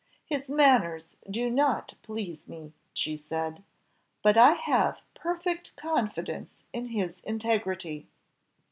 "His manners do not please me," she said, "but I have perfect confidence in his integrity."